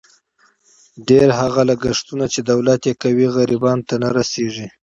ډېر هغه لګښتونه، چې دولت یې کوي، غریبانو ته نه رسېږي.